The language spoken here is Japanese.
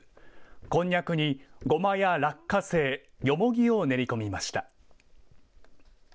こんにゃくにごまや落花生、よもぎを練り込みました。